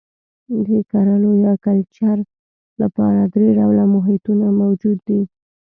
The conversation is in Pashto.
د کرلو یا کلچر لپاره درې ډوله محیطونه موجود دي.